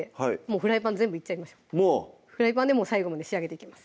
フライパン全部いっちゃいましょうフライパンでもう最後まで仕上げていきます